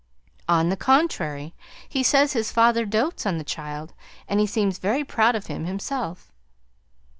"On the contrary, he says his father dotes on the child; and he seemed very proud of him, himself."